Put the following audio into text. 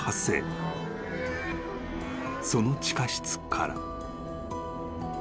［その地下室から］